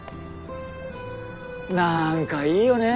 なんかいいよね